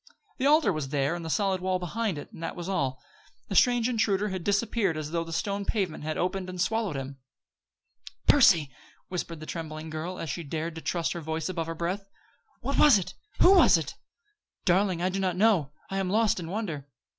The altar was there and the solid wall behind it, and that was all. The strange intruder had disappeared as though the stone pavement had opened and swallowed him up! "Percy!" whispered the trembling girl, as soon as she dared to trust her voice above her breath, "What was it? Who was it?" "Darling, I do not know. I am lost in wonder."